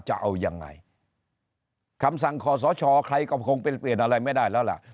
จะเอายังไงคำสั่งขอสชใครก็คงเป็นเปลี่ยนอะไรไม่ได้แล้วล่ะ